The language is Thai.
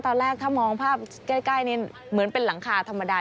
ตอนแรกถ้ามองภาพใกล้นี่เหมือนเป็นหลังคาธรรมดา